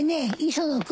磯野君。